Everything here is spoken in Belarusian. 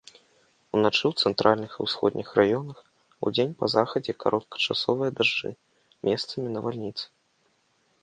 Уначы ў цэнтральных і ўсходніх раёнах, удзень па захадзе кароткачасовыя дажджы, месцамі навальніцы.